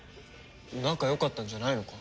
仲良かったんじゃないのか？